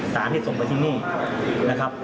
สารที่ส่งไปที่นี่นะครับ